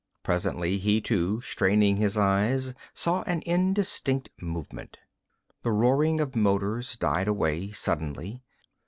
Presently he too, straining his eyes, saw an indistinct movement. The roaring of motors died away suddenly.